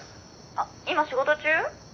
「あっ今仕事中？」